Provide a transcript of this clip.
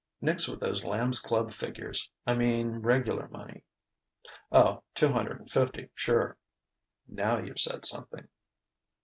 "Nix with those Lambs' Club figures. I mean regular money." "Oh, two hundred and fifty, sure." "Now you've said something...."